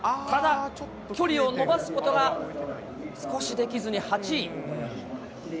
ただ、距離を伸ばすことが少しできずに８位。